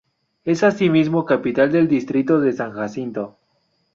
Es asimismo capital del distrito de San Jacinto.